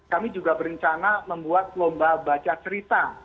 kami juga berencana membuat lomba baca cerita